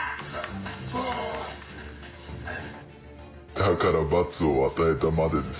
だから罰を与えたまでです。